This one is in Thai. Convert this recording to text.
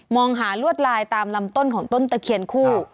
องหาลวดลายตามลำต้นของต้นตะเคียนคู่